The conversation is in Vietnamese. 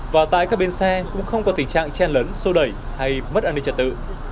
và tại các bến xe cũng không có tình trạng chen lấn sô đẩy hay mất an ninh trật tự